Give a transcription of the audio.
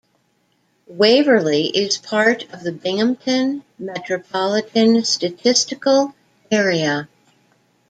Waverly is part of the Binghamton Metropolitan Statistical Area.